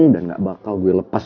dan gak bakal gue lepas